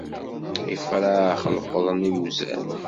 Ifrax leqqḍen iwzan.